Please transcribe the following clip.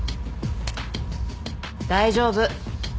大丈夫。